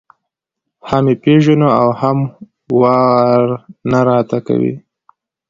هم یې پېژنو او هم واره نه راته کوي.